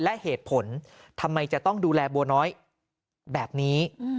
และเหตุผลทำไมจะต้องดูแลบัวน้อยแบบนี้